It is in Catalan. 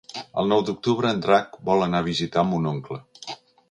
El nou d'octubre en Drac vol anar a visitar mon oncle.